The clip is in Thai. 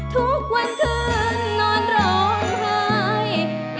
ทุกวันคืนนอนร้องไห้